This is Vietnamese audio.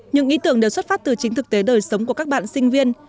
những ý tưởng đều xuất phát từ chính thực tế đời sống của các bạn sinh viên